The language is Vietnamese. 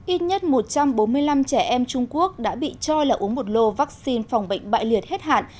ít nhất một trăm bốn mươi năm trẻ em trung quốc đã bị cho là uống một lô vaccine phòng bệnh bại liệt hết hạn